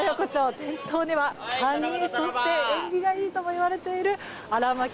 店頭では、カニやそして縁起がいいといわれている新巻き